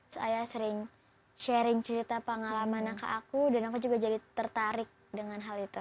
saya sering sharing cerita pengalaman anak aku dan aku juga jadi tertarik dengan hal itu